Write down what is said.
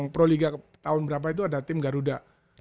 proliga tahun berapa itu ada tim garuda